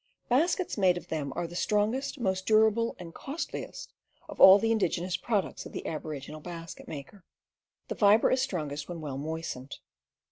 Baskets made of them are the strongest, most durable and costliest of all the ingenious products of the ab original basket maker. The fiber is strongest when well moistened.